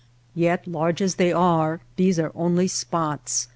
Yet large as they are, these are only spots.